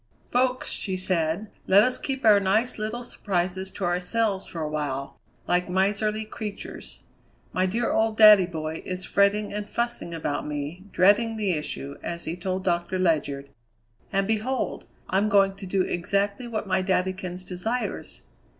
"Folks," she said, "let us keep our nice little surprises to ourselves for a while, like miserly creatures. My dear old daddy boy is fretting and fussing about me, 'dreading the issue,' as he told Doctor Ledyard, and behold I'm going to do exactly what my daddykins desires!